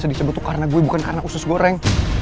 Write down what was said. itu karena gue bukan karena usus goreng